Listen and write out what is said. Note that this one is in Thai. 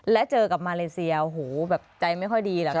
และเจอกับมาเลเซียใจไม่ค่อยดี